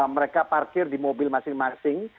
mereka parkir di mobil masing masing